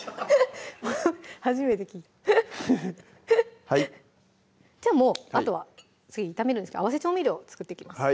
初めて聞いたはいじゃあもうあとは次炒めるんですけど合わせ調味料を作っていきます